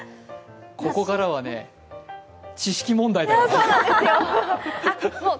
ここからはね、知識問題だから。